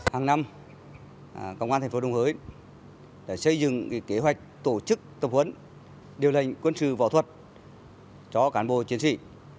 hàng năm công an thành phố đồng hới đã xây dựng kế hoạch tổ chức tập huấn điều lệnh quân sự võ thuật cho cán bộ chiến sĩ